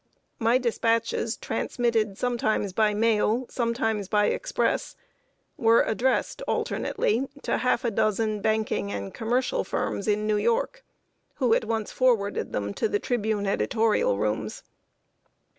My dispatches, transmitted sometimes by mail, sometimes by express, were addressed alternately to half a dozen banking and commercial firms in New York, who at once forwarded them to The Tribune editorial rooms.